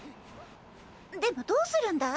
でもどうするんだい？